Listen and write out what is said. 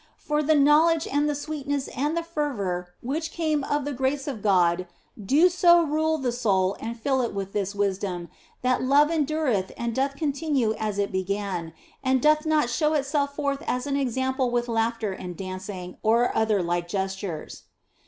For the know ledge and the sweetness and the fervour which came of the grace of God do so rule the soul and fill it with this wisdom that love endureth and doth continue as it began, and doth not show itself forth as an example with laughter and dancing or other like gestures.